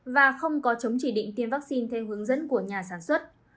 và không có chống chỉ định tiêm vaccine theo hướng dẫn của nhà sản xuất